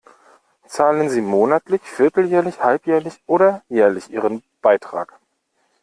Zahlen sie monatlich, vierteljährlich, halbjährlich oder jährlich ihren Beitrag?